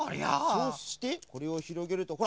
そうしてこれをひろげるとほら！